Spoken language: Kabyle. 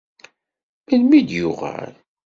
Melmi d-yuɣal?